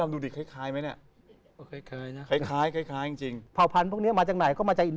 ดูดิคล้ายคล้ายไหมเนี่ยคล้ายคล้ายคล้ายคล้ายจริง